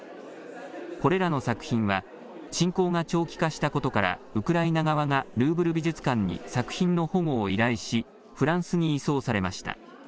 これらの作品は侵攻が長期化したことから、ウクライナ側がルーブル美術館に作品の保護を依頼しフランスに移送されました。